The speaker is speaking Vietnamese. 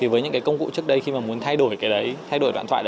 với những công cụ trước đây khi muốn thay đổi đoạn thoại